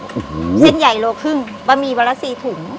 เส้นใหญ่โลครึ่งบะหมี่วันละสี่ถุง